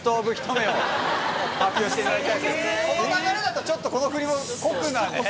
この流れだとちょっとこのフリも酷なね。